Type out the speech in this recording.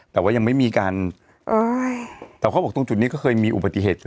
แต่ว่ายังไม่มีการแต่เขาบอกตรงจุดนี้ก็เคยมีอุบัติเหตุ